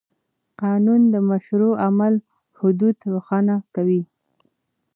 قانون د مشروع عمل حدود روښانه کوي.